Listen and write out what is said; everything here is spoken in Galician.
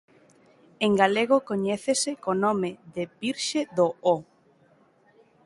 En galego coñécese co nome de "Virxe do O".